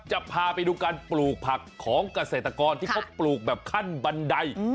จะพาไปดูการปลูกผักของเกษตรกรที่เขาปลูกแบบขั้นบันได